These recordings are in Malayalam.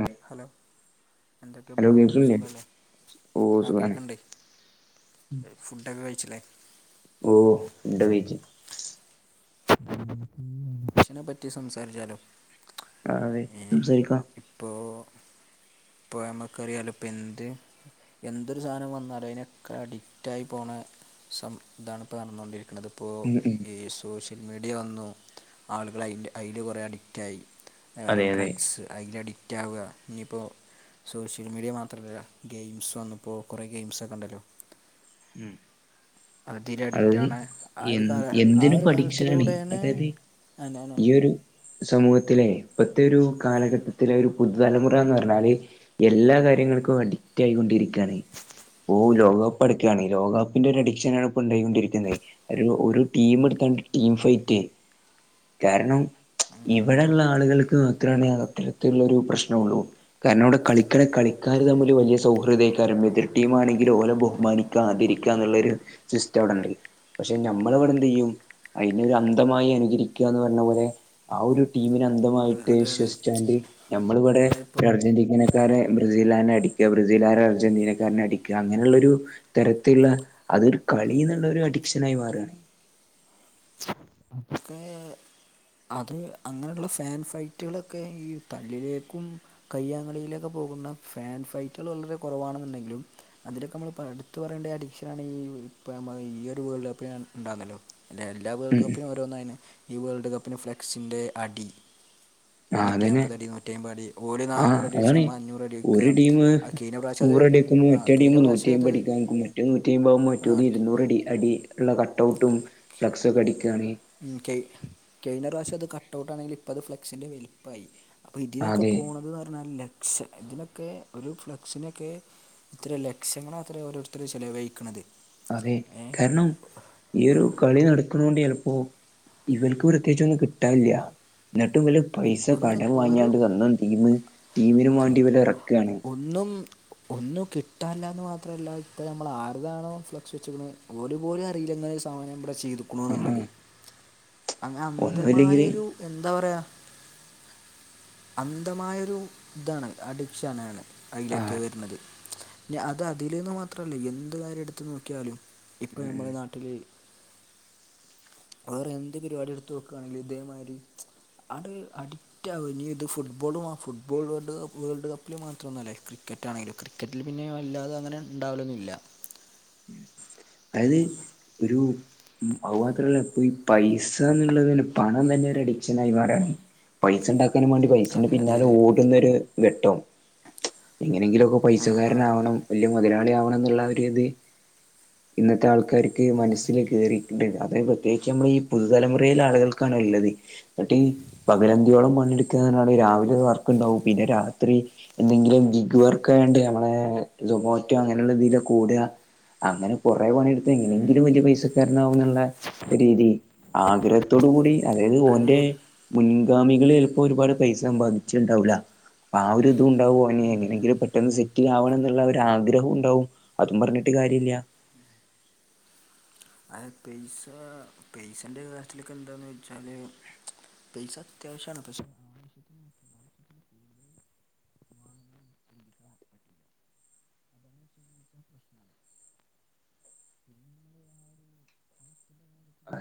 ആഹ് ഹലോ എന്തിട്ട് ഹലോ ബ്രോ കേൾക്ക്ണില്ലേ സുഖല്ലേ ഓഹ് ആ സുഖാണ് കേക്ക്ണ്ട് ഫുഡൊക്ക കഴിച്ചില്ലേ ഓ ഫുഡ്‌കഴിച്ച് ഇതിനെ പറ്റി സംസാരിച്ചാലോ ആയി സംസാരിക്കാം പ്പോ പ്പോയാ നമുക്കൊരു നല്ലാ പെൻറ്റ്. എന്തൊരു സാനം വന്നാലും അയിനൊക്കെ അഡിക്റ്റായി പോണ സം ഇതാണിപ്പോ നടന്നോണ്ടിരിക്കണത് അപ്പോ ഉം ഉം ഈ സോഷ്യല് മീഡിയ വന്നു ആളുകൾ അയി അയിന്റ കൊറെ അഡിക്റ്റായി ഞാന് അതെ അതെ ഡ്രഗ്സ് അയിന്റ അഡിക്റ്റാവ ഇനിയിപ്പോ സോഷ്യൽ മീഡിയ മാത്രല്ല ഗെയിംസ് വന്നപ്പോ കൊറെ ഗെയിംസക്കെ ഇണ്ടല്ലോ ഉം അതിര് അതായത് അഡിക്റ്റാവണ ആ എ ഒരു കാല ആ എന്തിന് ഒരു പഠിച്ചാണ് കാലത്തിലൂടെയാണ് അതായത് ആന്നാന്നാന്ന് ഈ ഒരു സമൂഹത്തിലെ ഇപ്പഴ്ത്തെരു കാലഘട്ടത്തിലെ ഒരു പുതുതലമുറാന്ന് പറഞ്ഞാല് എല്ലാ കാര്യങ്ങൾക്കും അഡിക്റ്റായിക്കൊണ്ടിരിക്കാണ് ഓ ലോകകപ്പ് അടു ക്കാണ് ലോകകപ്പിന്റെ ഒരു അഡിക്ഷൻ ആണ് ഇപ്പോൾ ഉണ്ടായികൊണ്ടിരിക്കുന്നേ ഒരു ഒരു ടീം എടുത്താണ്ട് ടീം ഫൈറ്റേ കാരണം ഇവിടെള്ള ആളുകൾക്ക് മാത്രാണ അത് അത്തരത്തിലുള്ളൊരു പ്രശ്നൊള്ളൂ കാരണം അവിടെ കളിക്കള കളിക്കാര് തമ്മില് വലിയ സൗഹൃദായിക്കാരും എതിർ ടീമാണെങ്കിലൊ ഓല ബഹുമാനി ക്കതിരിക്ക എന്നൊഋള്ളൊരു സിസ്റ്റം ഇവിടിണ്ട് പക്ഷെ ഞമ്മളിവിടെ എന്തേയ്യും അയിനൊരു അന്തമായി അനുകരിക്ക എന്ന് പറഞ്ഞ പോലെ ആ ഒരു ടീമിന അന്തമായിട്ട് അതെ അതെ അതെ വിശ്വസിച്ചാണ്ട് ഞമ്മളിവിടെ ഒരു ഇപ്പം അർജന്റീനക്കാരെ ബ്രസീലാരെ അടിക്ക ബ്രസീലാരെ അർജന്റീനക്കാര്നെ അടിക്ക അങ്ങനെയുള്ളൊരു തെരത്തിള്ള അതൊരു കളി എന്നുള്ള ഒരു അഡിക്ഷനായി മാറാ ക്കെ അത് അങ്ങനെള്ള ഫാൻ ഫൈറ്റുകളൊക്കെ ഈ തല്ലിലേക്കും കയ്യാങ്ങളിയിലേക്കെ പോകുന്ന ഫാൻ ഫൈറ്റുകൾ വളരെ കൊറവാണെന്നുണ്ടെങ്കിലും അതിലൊക്കെ നമ്മള് പ്പടുത്തു പറയേണ്ട അഡിക്ഷനാണ് ഈഹ് ഈ ഒരു വേൾഡ്കപ്പിന് ഉണ്ടാന്നല്ലോ [unintelligible] എല്ലാ ഉം വേൾഡ് ഉം കപ്പിന് ഓരോന്നായിന് ഈ വേൾഡ് കപ്പിന് ഫ്ലെക്സിന്റെ അടി ആ നൂറ്റി അതന്നെ നാപ്പതടി, നൂറ്റി അയ്മ്പത്ടി ഓര് ആഹ് നാനൂറടി വെച്ചാ അതാണ് ഞമ്മള് അഞ്ഞൂറ് അടി വെക്കാ ഒരു ടീം അത് കേയിഞ്ഞ പ്രാശ്യം അത് [unintelligible] ആ മറ്റേ കഴിഞ്ഞ ടീമ് പ്രാവശ്യം അത് നൂറ്റിയായ്മ്പത് അടിക്കക്കുങ്ങി മറ്റേ നൂറ്റി ആ [unintelligible] ഇരുന്നൂറടി അടി ഇള്ള കട്ട്ഔട്ടും ഫ്ലക്സുക്കെ അടിക്കണെ കേ കേഴിഞ്ഞ പ്രാശ്യം അത് കട്ട്ഔട്ട് ആണെങ്കില് ഇപ്പം അത് ഫ്ലെക്സിന്റെ വലിപ്പായി അപ്പോ ഇതിനൊക്കെ അതെ പോണത് ന്ന് പറഞ്ഞാല് ലക് ഇതിനൊക്കെ ഒരു ഫ്ലക്സിനൊക്കെ എത്രരയൊ ലക്ഷ്യങ്ങളാത്ര ഓരോര്ത്തർ ചെലവയിക്കണത് അതെ കാരണം ഈ ഒരു കളി നട ക്കുണ് ണ്ട് ചെലപ്പം ഇവൽക്ക് പ്രത്യേകിച്ചൊന്നും കിട്ടാനില്ല്യാ എന്നിട്ടും വലിയപൈസ ഒന്ന് കടം ഒരു വാങ്ങിയാണ്ട് സ്വന്തം ടീമ് ടീമിനു വേണ്ടിവര് എറക്കാണ് ഒന്നും ഒന്നുംകിട്ടാനില്ലെന്നുമാത്രവല്ല ഇപ്പ ഞമ്മളരതാണോ ഫ്ലക്സു വെച്ചേക്കാണ് ഓരുപോലും അറിയില്ല ഇങ്ങനൊ സാനം ഇവടെ ചെയ്യ്തിക്കുണുന്നുള്ളത് ആഹ് അങ്ങ് ഒന്നുല്ലെങ്കില് അന്ധമായൊരു എന്താ പറയാ അന്ധമയൊരു ഇതാണ് അഡീക്ഷനാണ് അയിലൊക്കെ ആഹ് വര്ണത് നി അത് അതിലെന്നു മാത്രല്ല എന്തുകാര്യം എടുത്തുനോക്കിയാലും ഇപ്പോ ഉം ഉം നമ്മളെ നാട്ടില് വേറെന്ത് പരുപാടി എടുത്ത് നോക്കാണെങ്കിലും ഇതേമാരി അത് അഡിക്റ്റാവീനി ഇത് ഫുട്ബോളും ആഹ്‌ ഫുട്ബോള് വേൾഡു കപ്പു വേൾഡുകപ്പില് മാത്രമല്ല ക്രിക്കറ്റാണെങ്കിലും ക്രിക്ക [unintelligible] അല്ലാതങ്ങനെ ഇണ്ടാവലൊന്നുവില്ല. അതായത് ഒരു ഉം അതുമാത്രല്ല ഇപ്പോയീ പൈസാന്നുള്ളതിന് പണം തന്നെയൊരഡീക്ഷനായി മാറുകാണ് പൈസണ്ടാക്കാനും വേണ്ടി പൈസെന്റെ അതെ അതെ പിന്നാലെ അതെ ഓടുന്നൊരു ഘട്ടേം എങ്ങനെങ്കിലുമൊക്കെ ആ ആ പൈസാക്കാരനാകണം വല്യ മോതലാളിയാവണന്നുള്ള ഒരിത് ഇന്നത്തെയാൾക്കാര്ക്ക് മനസ്സില് കേറി ഇണ്ട് അത് പ്രത്യേകിച്ചു നമ്മളീപുതുതലമുറേലേയാളുകൾക്കാണുള്ളത് ന്നാട്ടി പകലന്തിയോളംപണിയെടുക്കുന്നവരാണ് ഈ രാവിലെ വർക്കുണ്ടാവും പിന്നെ രാത്രി എന്തെങ്കിലുംജിഗ്ഗു വർക്കിനുവേണ്ടി നമ്മളെ സൊമാറ്റോ അങ്ങനെള്ളതിലോക്കെ ഓട്കാ അങ്ങനെ കൊറെ പണിയെടുത്ത് എങ്ങനെങ്കിലും വല്യ പൈസാക്കാരനാവുന്നുള്ളരീതി ആഗ്രഹ ത്തോടുകൂടി അതായത് ഓന്റെ അതിന് മുൻഗാമികള് ചെലപ്പോ ഒരുപാടുപൈസ സമ്പാദിച്ചിട്ടുണ്ടാവുലാ ആഹ് ഒരു ഇതുണ്ടാവുവാണെങ്കി എങ്ങനെങ്കിലും പെട്ടെന്നുസെറ്റിലാകണമെന്നുള്ള ഒരാഗ്രഹമുണ്ടാവും അതും പറഞ്ഞിട്ടു കാര്യല്ല്യാ അതു പൈസാ പൈസേന്റെ കാര്യത്തിലൊക്കെയെന്താന്നു വെച്ചാല് പൈസായത്യാശ്യാണു പഷേ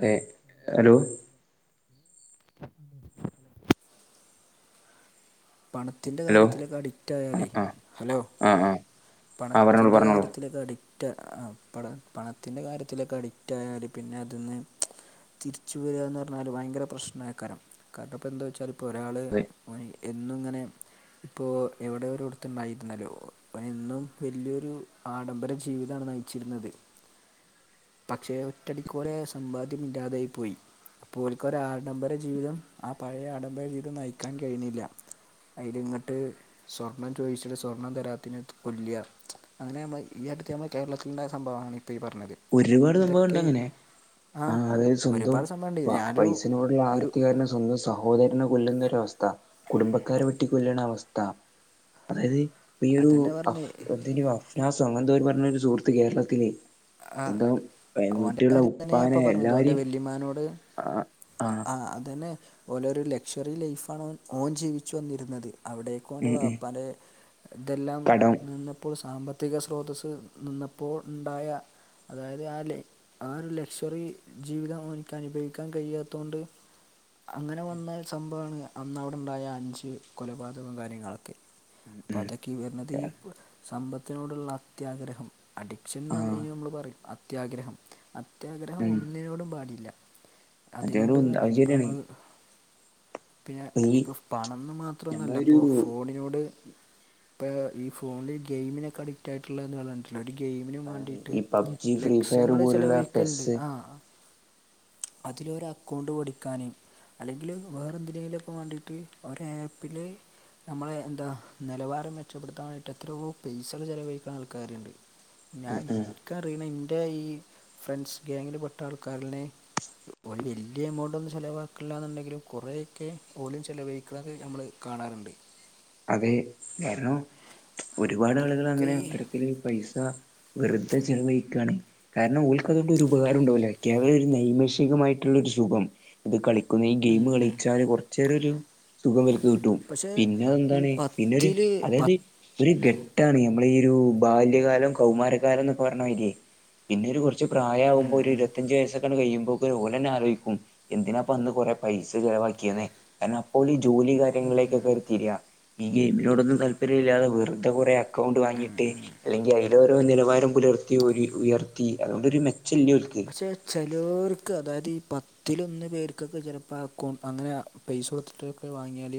ഏഹ് ഹലോ പണത്തിന്റെ ഹലോ കാര്യത്തിലൊക്കെ ആ അഡിക്റ്റായാലേ ആ ഹലോ ആ ആ ആ പറഞ്ഞോളൂ പണത്തിന്റെ പറഞ്ഞോളൂ കാര്യ ത്തില്ക്കെ അഡിക്റ്റാ ആഹ് പണ പണത്തിൻ്റെ കാര്യത്തിലൊക്കെ അഡിക്റ്റായാൽ പിന്നെയതിന്ന് തിരിച്ചുവരികാന്നു പറഞ്ഞാലു ഭയങ്കര പ്രശ്നായികരം കാരണമിപ്പെന്താച്ചാല് ഇപ്പ ഒരാള് അതെ [unintelligible] എന്നുങ്ങനെ ഇപ്പോ ഇവടെ ഓരോയിടത്തും [unintelligible] മെന്നും വല്യയൊരു ആഡംബരജീവിതാണുനയിച്ചിരുന്നത് പക്ഷേ ഒറ്റയടിക്കോരെ സമ്പാദ്യമില്ലാതെയായിപ്പോയി. ഇപ്പോ ഓൽക്കൊരു ആഡംബരജീവിതം ആ പഴയ ആഡംബര ജീവിതം നയിക്കാൻ കഴിയണില്ല അതിലിങ്ങോട്ടുസ്വർണം ചോദിച്ചേനുസ്വർണം തരാത്തേനു കൊല്ലുക. അങ്ങനെ നമ്മള് ഈ അടുത്ത നമ്മടെ കേരളത്തിലുണ്ടായ സംഭവമാണിപ്പോ ഈ പറഞ്ഞത്. ഒര് പാട് സംഭവം ഇണ്ട് ഇതൊക്കെ അങ്ങനെ ആ ആഹ് അതെ സ്വന്തം ഒരുപാട് സംഭവമുണ്ട് വാ ഞാനൊരു പൈസനോട് ഇള്ള ഒരു ആർത്തി കാരണം സ്വ സ്വന്തം സഹോദരനെ കൊല്ല്ന്ന ഒര് അവസ്ഥ, കുടുംബക്കാരെ വെട്ടി കൊല്ല്ണെ അവസ്ഥ. അതായെത് ഇപ്പ ഈയൊരു അതന്നെ അഫ് പറഞ്ഞത് എത്തെയ്നു അഫ്നാസോ അങ്ങനെ എന്തോ പറ്ഞ്ഞ ഒരു സുഹൃത്ത് കേരളത്തിൽ ഇത് എന്താണ് ഏഹ് ഓൻ്റെ വീട്ട് ഇള്ള കാര്യം തന്നെ ഉപ്പാനെ ഇപ്പോൾ പറഞ്ഞത് എല്ലാരിം ആഹ് ആഹ് അതെന്നെ ഓൽ ഓരോ ലക്ഷ്വറി ലൈഫാണ് ഓൻ ഓൻ ജീവിച്ച് വന്നിരുന്നെത് അവ്ടെ ഒക്കെ ഉം ഓന്റെ ഉം ബാപ്പാന്റെ ഇതെല്ലാം കടം നിന്നപ്പോ സാമ്പത്തി ത്തിക സ്രോതസ്സ് നിന്നപ്പോ ഇണ്ടായ അതായത് ആ ആഹ് ലക്ഷ്വറി ജീവിതം അവനിക്കനുഭവിക്കാൻ കഴിയാത്തൊണ്ട് അങ്ങനെ വന്ന സംബാവാണ് അന്നവിടെ ഉണ്ടായഅഞ്ചു കൊലപാതകോം കാര്യങ്ങളൊക്കെ ഉം അപ്പ അതൊക്കെ ഈ വെര്ന്നെത് ഈ ഉം സമ്പത്തിനോട് ഇള്ള അത്യാഗ്രഹം അഡിക്ഷെൻന്നും ആ അതി അയിന് നമ്മെൾ പറിം അത്യാഗ്രഹം അത്യാഗ്രഹം ഉം ഒന്നിനോടും പാടില്ല അദ്ദേഹം അതിനോട്ന്ന് ഒന്ന് അല്ല അത് ഇനിയിപ്പ ശരിയാണ് നമ്മെൾ പിന്നെ ഇപ്പൊ ഇനി ഈ ഇപ്പോ പണംന്ന് മാത്രം ഒന്നും അല്ല നമ്മളൊരു ഇപ്പോ ഫോണി നോട് ഇപ്പ ഈ ഫോണിൽ ഗെയിമിനൊക്കെ അഡിക്റ്റായിട്ട് [unintelligible] പറയാൻ പറ്റൂലാ ഒര് ഗെയിമിന് അത് വാണ്ടിയിട്ട് ഈ പബ്ജി ഫ്രീ ഫയർ ലക്ഷങ്ങെൾ പോലുള്ള ചെലവഴിക്കെൽ ഇണ്ട് പെസ്സ് ആഹ് ആഹ് അതിലൊര് അക്കൗണ്ട് പഠിക്കാന് അല്ലെങ്കിൽ വേറെ എന്തിലെനൊക്കെ വാണ്ടിട്ട് ഒര് ആപ്പിൽ നമ്മളെ എന്താ നെലവാരം മെച്ചപ്പെടുത്താം വേണ്ടിയിട്ട് എത്രയോ പൈസകൾ ചെലവഴിക്ക്ണ ആൾക്കാര് ഇണ്ട് ഞാൻ ഉം ഉം ഇൻക്കറിണ ഇൻ്റെ ഈ ഫ്രണ്ട്സ് ഗ്വാങ്ങിൽ പെട്ട ആൾക്കാര്ൽ ഓൽ വെല്ല്യ എമൗണ്ടൊന്നും ചെലവാക്ക്ണ് ഇല്ലാന്ന് ഇണ്ടെങ്കിലും കൊറെ ഒക്കെ ഓലും ചെലവഴിക്ക്ണെത് നമ്മെൾ കാണാറുണ്ട് അതെ കാരണം ഒരുപാട് ആളുകൾ അതൊക്കെ അങ്ങനെ ഈ അത്തരത്തില് പൈസ വെറ്തെ ചെലവഴിക്കാണ് കാരണം ഓൽക്ക് അതോണ്ട് ഒര് ഉപകാരും ഇണ്ടാവുലാ കേവലം ഒരു നൈമിശികമായിട്ടുള്ള ഒരു സുഖം ഇത് കളിക്കുന്ന ഈ ഗെയിം കളിച്ചാല് കൊർച്ചേരം ഒരു സുഖം ഇവെൽക്ക് കിട്ടും പക്ഷേ പിന്നെ അത് ഈ എന്താണ് പിന്നൊരു പത്തിൽ അതായെത് ഒര് ഘട്ടാണ് നമ്മളെ ഈ ഒരു ബാല്യകാലം കൗമാരകാരം ന്നൊക്കെ പർണ മായിരെയ് പിന്നെ ഒരു കൊ ർച്ച് പ്രായാവുമ്പോ ഒര് പത്ത് ഇരുവത്തഅഞ്ച് വയ്സ്സൊ ക്കെ ആണ്ട് കയ്യുമ്പോക്കിന് ഓലെന്നെ ആലോയിക്കും എന്തിനാപ്പം അന്ന് കൊറെ പൈസ ചെലവാക്കിയെന്ന് കാരണം അപ്പ ഓൽ ജോലി കാര്യങ്ങളിലെക്കൊക്കെ അവെര് ഈ ഗെയിമിനോടൊന്നും താൽപര്യം ഇല്ലാതെ വെറ്തെ കൊറെ അക്കൗണ്ട് വാങ്ങി ഇട്ട് അല്ലെങ്കി അയിൽ കൊറെ ഇന്നെട്ട് ഇപ്പം നിലവാരം പുലെർത്തി ഓര് ഉയെർത്തി അതോണ്ട് ഒര് മെച്ചം ഇല്ല ഓൽക്ക് തെ ചെലോർക്ക് അതായെത് ഈ പത്തിലൊന്ന് പേർക്കൊക്കെ ചെലപ്പോ ആ അക്കൗണ്ട് അങ്ങനെ പൈസ കൊട്ത്ത്ട്ടൊക്കെ വാങ്ങിയാൽ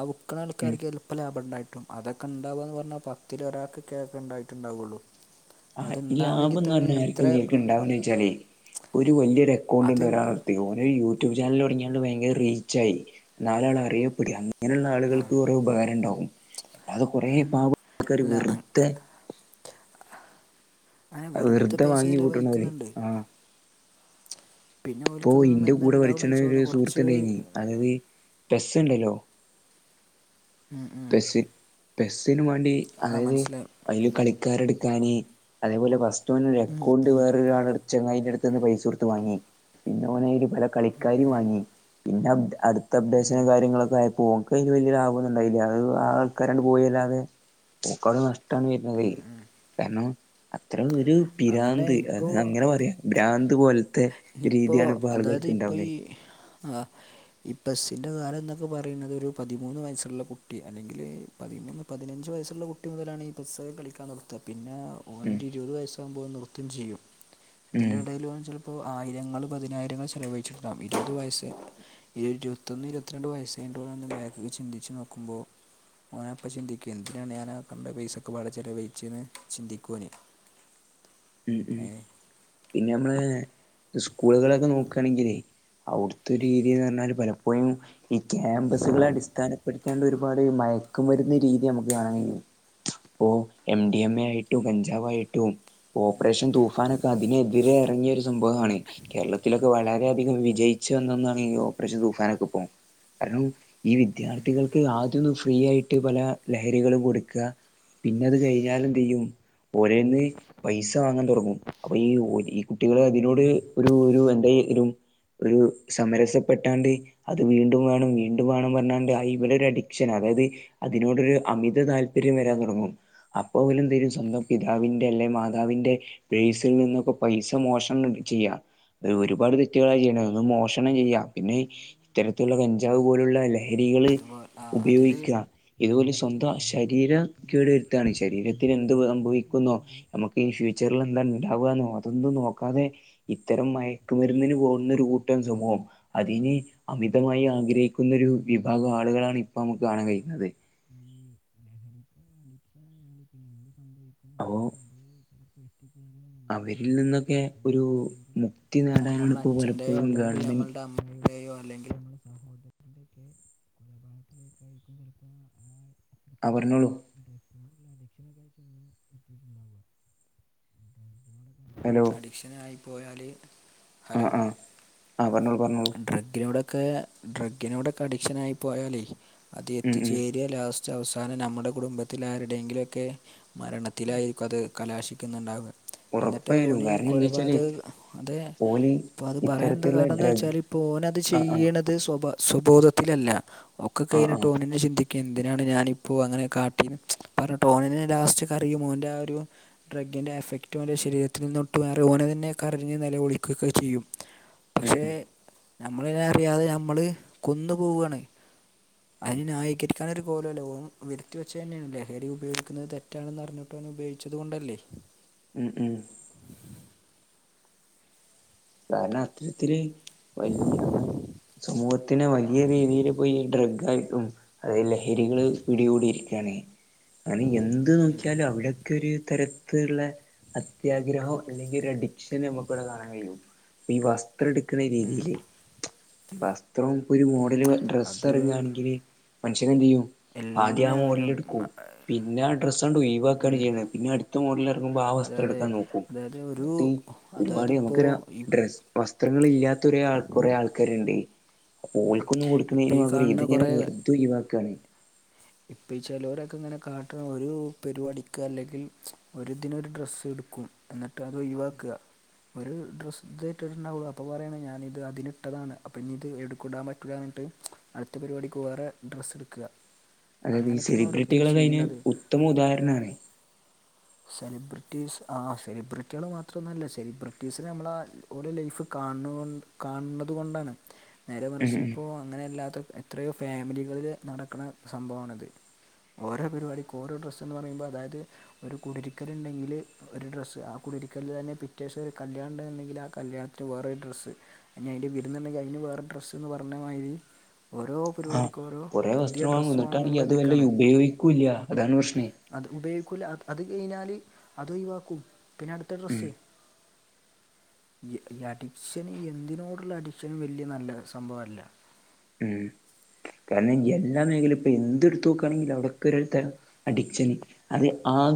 ആ വുക്ക്ണ ഉം ആൾക്കാർക്ക് ചെ ൽപ്പം ലാഭം ഇണ്ടായിട്ടും അതൊക്കെ ഇണ്ടാവാന്ന് പർണാ പത്തിൽ ഒരാക്കൊക്കെ ഇണ്ടായിട്ട് ഇണ്ടാവൊള്ളു ആഹ് ഇത് ലാഭംന്ന് പർണാൽ എങ്ങനൊക്കെ ഇണ്ടാവുംന്ന് ചോയിച്ചാലെയ് ഒര് വല്ല്യ ഒര് അക്കൗണ്ട് അത് ഇണ്ട് ഒരാൾ തെ ഓന് ഒരു യൂട്യൂബ് ചാനൽ തൊടങ്ങിയാണ്ട് ഭയങ്കര റീച്ചായി നാലാൾ അറിയപ്പെടാ ഇങ്ങനെ ഇള്ള ആളുകെൾക്ക് കൊറെ ഉപകാരം ഇണ്ടാവും അല്ലാതെ കൊറെ പാവങ്ങ [unintelligible] അല്ല വെറ്തെ അങ്ങനെ അഹ് വെറുതെ വെറ്തെ പൈസ വാങ്ങിക്കൂട്ട്ണെത് ചിലവഴിക്കുന്നുണ്ട് ആഹ് പിന്നെ ഇപ്പോ ഓൽക്ക് ഇതൊന്നും ഇന്റെ എന്താ കൂടെ പഠിച്ച്ണ ഉണ്ടാവണമെന്ന് ഒര് ചോദിച്ചാൽ സുഹൃത്ത് കുറച്ച് ഇണ്ടെയിനി അതായെത് ഡ്രസ്സ് ഇണ്ടല്ലോ പെസ്സ് പെസ്സിനും മാണ്ടി ആ അതായെത് മനസ്സിലായി അയിൽ കളിക്കാരെ ഇട്ക്കാന് അതേപോലെ ഫസ്റ്റ് ഓന് ഒര് അക്കൗണ്ട് വെറെ ഒരാളെ ചെങ്ങായിന്റെ അട്ത്ത്ന്ന് പൈസ കൊട്ത്ത് വാങ്ങി പിന്നെ ഓന് അയിൽ പല കളിക്കാരിം വാങ്ങി പിന്നെ അപ് അട്ത്ത അപ്ഡേഷനും കാര്യങ്ങളൊക്കെ ആയപ്പോ ഓന്ക്ക് അയിൽ വെല്ല്യ ലാഭമൊന്നും ഇണ്ടായില്ല അതും ആ ആൾക്കാരാണ്ട് പോയി അല്ലാതെ ഓക്ക് അത് നഷ്ടാണ് വെര്ന്നതെയ് കാരണം അത്ര ഒരു അതന്നെ പിരാന്ത് അത് അങ്ങനെ പറയാ ഭ്രാന്ത് പോലെ ഇനിയിപ്പോ അതായെത് ഇപ്പോ ഈ ആഹ് ഈ പെസ്സിന്റെ കാലം എന്നൊക്കെ പറിണെത് ഒരു പതിമൂന്ന് വയസ്സ് ഇള്ള കുട്ടി അല്ലെങ്കിൽ പതിമൂന്ന് പതിനഞ്ച് വയസ്സ് ഇള്ള കുട്ടി മുതലാണ് ഈ പെസ്സൊക്കെ കളിക്കാൻ തൊട പിന്നെ ഉം ഓനൊരു ഇരുപത് വയസ്സാകുമ്പോൾ നിർത്തും ചെയ്യും ഉം ഇതിൻ്റെ ഇടയിൽ ചിലപ്പോ ഇപ്പൊ ആയിരങ്ങൾ പതിനായിരങ്ങൾ ചെലവഴിച്ചിട്ടുണ്ടവും ഇരുപത് വയസ്സ് ഇരുപത്തൊന്ന് ഇരുപത്തിരണ്ട് വയസ് കഴിഞ്ഞിട്ട് ഓനൊന്ന് ബാക്കോട്ട് ചിന്തിച്ചു നോക്കുമ്പോ ഓന അപ്പം ചിന്തിക്കും എന്തിനാണ് ഞാനാ കണ്ട പൈസൊക്കെ വാടെ ചെലവഴിച്ചെന്ന് ചിന്തിക്കും ഓന് ഉമ് ഉമ് പിന്നെ നമ്മളെ സ്കൂളുകളൊക്കെ നോക്കാണെങ്കിൽ അവിടുത്തെ ഒരു രീതീന്ന് പറഞ്ഞാല് പലപ്പോഴും ഈ ക്യാമ്പസുകളെ അടിസ്ഥാനപ്പെടുത്തിക്കാണ്ട് ഒരു ഒരുപാട് മയക്കു മരുന്ന് രീതി നമുക്ക് കാണാൻ കഴിയും ഇപ്പൊ എം ഡി എം എ ആയിട്ടും കഞ്ചാവ് ആയിട്ടും ഓപ്പറേഷൻ തൂഫാനൊക്കെ അതിന് എതിരെ എറങ്ങിയ ഒരു സംഭവാണ് കേരളത്തിലൊക്കെ വളരെയധികം വിജയിച്ച് വന്ന ഒന്നാണ് ഈ ഓപ്പറേഷൻ തൂഫാനൊക്കെ ഇപ്പം കാരണം ഈ വിദ്യാർത്ഥികൾക്ക് ആദ്യം ഒന്നു ഫ്രീ ആയിട്ട് പല ലഹരികളും കൊടുക്ക പിന്നെ അത് കഴിഞ്ഞാല് എന്ത് ചെയ്യും ഒരേന്ന് പൈസ വാങ്ങാ തൊടങ്ങും അപ്പൊ ഈ ഒര് കുട്ടികള് ഇതിനോട് ഒര് ഒര് എന്തേലു. ഒരൂ സമരസപ്പെട്ടാണ്ട് അത് വീണ്ടും വേണം വീണ്ടും വേണം പറഞ്ഞാണ്ട് അയ്മലൊര അഡിക്ഷന അതായത് അതിനോടൊര് അമിത താല്പര്യം വരാൻ തൊടങ്ങും അപ്പൊ ഓലെ എന്തീരും സ്വന്തം പിതാവിന്റെ അല്ലെ മാ- പിതാവിന്റെ പേഴ്സിൽ നിന്നൊക്കെ പൈസ മോഷ്ണം ചയ്യ ഒരു ഒരുപാട് തെറ്റ്കള ചെയ്യ്ണെ ഒന്ന് മോഷണം ചെയ്യ പിന്നെ ഇത്തരത്ത്ലുള്ള കഞ്ചാവ് പോല്ള്ള ലഹ രീകള് അതുപോലെ ആ അതില് ഉപയോഗിക്ക. ഇത് ഓലെ ലഹരിയുടെ സ്വന്തം ലഹരിയുടെ ശരീരം വിഷയത്തില് കേട് വ ശരീരത്തിന് എന്ത് ലഹരിയുടെ വ വിഷയത്തിൽ സംഭവിക്കുന്നൊ വരുന്നത് ഞമ്മക്ക് ഈ ഫ്യൂച്ച്റില് എന്താ ഇണ്ടാവ അതൊന്നും നോക്കാതെ ഇത്തരം മൈ ക്കു മര്ന്നിന് പോവ്ന്ന ഒരു കൂട്ടം സൊമോ അതിന് അമിതമായി ആഗ്രഹിക്കുന്നൊരു വിഭാഗം ആളുകളാണ് ഇപ്പൊ ഞമക്ക് കാണാൻ കഴിയുന്നത് [inaudible] അ ഹ് ഓഹ് അത് ചിലപ്പോൾ അവരിൽ നിന്നൊക്കെ ഒരൂ മുക്തിന്ന് ഞമ്മളെ അച്ഛന്റെയൊ അല്ലെങ്കി ഞമ്മൾടെ അമ്മയുടേയൊ അല്ലെങ്കിൽ [unintelligible] [unintelligible] ആഹ് പറ്ഞോളു ഡ്രഗ്സിനോടുള്ള അഡിക്ഷനൊക്കെ ചെന്ന് എത്തിയിട്ടുണ്ടാവുക ഹലോ അഡിക്ഷനായി പോയാല് ഹലോ ആഹ് പറ്ഞ്ഞൊളു പറ്ഞ്ഞൊളു ഡ്രഗ്ഗിനോടൊക്കെ ഡ്രഗ്ഗിനോടൊക്കെ അടിക്ഷനായി പോയാലെ അത് ഉം എത്തിച്ചേ ഉം പതിയ ലാസ്റ്റ് അവസാനം നമ്മ്ടെ കുടുംബത്തിലാര്ടെങ്കിലൊക്കെ മരണത്തിലായിരിക്കു അത് കലാശിക്ക്ന്ന്ണ്ടാവ എന്നിട്ട് ഉറപ്പായാലും ഓനീം ഈ കാരണം എന്താ വെച്ചാല് കൊലപാതകം അത്. ഓല് ഇപ്പൊ പറയാൻ എന്താ ഇത്തരത്തിലുള്ള ഡ്രഗ് കാരണന്നൊയ്ച്ചാല് പ്പ ഓനത് ആ ആ ചെയ്യ്ണത് സ്വൊബൊ സ്വബോധത്തിലല്ല. ഒക്കെ ആ ആ കഴ്ഞ്ഞിട്ട് ഓനെന്നെ ചിന്തിക്ക ക്കെന്തിനാണ് ഞാനിപ്പോ അങ്ങനെ കാട്ടീന്ന് പറഞ്ട്ട് ഓനന്നെ ലാസ്റ്റ് കരയും. ഓന്റ ആഹ് ഒരു ഡ്രഗ്ഗിന്റെ എഫക്റ്റ് ഓൻ്റെ ശരീരത്ത് നിന്ന് വുട്ട് മാറി ഓനെന്നെ കരഞ്ഞ് നെലവിളികൊക്കെ ചെയ്യും ഉമ് ഉമ് നമ്മളയ്ന് അറിയാതെ ഞമ്മള് കൊന്ന് പോവാണ് അയിന് ന്യായീകരിക്കാനൊരു കോലൊല്ല ഓൻ വര്ത്തി വച്ചെന്നേണ് ലഹരി ഉപയോഗിക്ക്ന്നത് തെ റ്റാണ്ന്ന അറ്ഞ്ഞിട്ടും ഓന് ഉപയോച്ചത് കൊണ്ടല്ലെ ഉമ് ഉമ് കാരണം അത്തര്ത്തില് വല്യ അന സമൂഹത്തിന് വല്യ രീതിയില് പോയി ഡ്രഗ് ക്കും അതായത് ലഹരികള് പിടികൂടിയിരിക്കാണ് ആനി എന്ത് നോക്ക്യാലും അവ്ടെ ക്കൊരു തരത്തില്ള്ള അത്യാഗ്രഹൊ ഇല്ലെങ്കി ഒരഡിക്ഷനും ഞമ്മക്കിവടെ കാണാൻ കയ്യും ഇപ്പൊ ഈ വസ്ത്രം എട്ക്ക്ണ രീതീല്. വസ് ഇത്രൊം ഇപ്പൊരു മോഡല് ഡ്രസ്സ് അത് എറങ്ങാണെങ്കില് മനുഷ്യനെന്തീയ്യും ആദ്യ ആഹ് എല്ലാവരും മോഡല്ടുക്കും പിന്നെ ആഹ് ഡ്രസ്സൺ ഒഴിവാക്കാണ് ചെയ്യ്ണെ പിന്നട്ത്ത മോഡല് എറങ്ങ്മ്പൊ ആഹ് അതായത് വസ്ത്രട്ക്ക നോക്കും അതായത് ഒരു ഇന്ന്ട്ടീ അതായത് ഒര്പാട് ഇപ്പോൾ ഞമ്മക്കൊര വസ് വസ്ത്രങ്ങളില്ലാത്തൊരാൾ ആഹ് കൊറേ ആൾക്കാര്ണ്ട് ഓൾക്കൊന്നും ഇപ്പോൾ കൊട്ക്കീന് ഈ പകരം കാണുന്ന ഇത്ങ്ങനെ വെറ്തൊഴ് വാക്കാണ് ഇപ്പെ ചെലോരൊക്കങ്ങന കാട്ട്ണ ഒര് പരുപാടിക്ക് അല്ലെങ്കിൽ ഒര്തിനൊര് ഡ്രസ്സ്ട്ക്കും എന്നിട്ടത് ഒഴിവാക്ക ഒരാ ഡ്രസ് ഇത് ഇട്ട്ണ്ടാവൊള് അപ്പൊ പറേണ് ഞാനിത് അതിനിട്ടതാണ് അപ്പൊ ഇഞി ഇത് എവ്ടുക്കിടാ ഞ്ട്ട് അടുത്ത പരിപാടിക്ക് വേറെ ഡ്രസ്സ്ട്ക്ക അതായത് ഈ സെലിബ്രിറ്റികളുടെ അതിന് ഉത്തമ ഉദാഹരണണ സെലിബ്രിറ്റീസ് ആഹ് സെലിബ്രിറ്റികള് മാത്രംന്നല്ല സെലിബ്രിറ്റീസിെ നമ്മള ഒരു ലൈഫ് കാണ കാണത കൊണ്ടാണ് നേരെ ഉം മറിശ ഉം ഇപ്പോൾ അങ്ങനെയ അല്ലാത്ത എത്രയോ ഫാമിലികളിൽ നടക്കുന്ന സംഭവമാണ് അത് ഓരോ പരിപാടിക്ക് ഓരോ ഡ്രസ്സന്ന് പറയുമ്പോൾ അതായത് ഒരു കുടരിക്കരു ഉണ്ടെങ്കിൽ ഒരു ഡ്രസ്സ് ആ കുടിരിക്കല്ല് തന്നെ പിറ്റേശം കല്യാണം ഉണ്ടെങ്കിൽ ആഹ് കല്യാണത്തിന് വേറൊരു ഡ്രസ്സ് അഹ് അതിന്റെ വിരുന്നുണ്ടെങ്കിൽ അതിന് വേറെ ഡ്രസ്സ് എന്ന് പറഞ്ഞ മാതിരി ഓരോ പരിപാടിക്ക ഓരോ പുതിയ ഡ്രസ്സ് ആണെന്നുള്ള ത് വല്ല ഉപയോഗിക്കൂല്ല അതാണ് പ്രശ്നേ അത് ഉപയോഗിക്കില്ല അത് കഴിഞ്ഞാല് അത് ഒഴിവാക്കും പിന്നെ അടുത്ത ഉം ഡ്രസ്സ് ഈ അഡിക്ഷന് എന്തിനോടുള്ള അഡിക്ഷന വലിയ നല്ല സംഭവല്ല ഉം കാരണം എല്ലാ മേഖലും ഇപ്പ എന്ത് എടുത്തത്ത് നോക്കുകയാണെങ്കിൽ അവിടക്കെ ഒരാൾ ത അഡിക്ഷനി അത് ആഹ്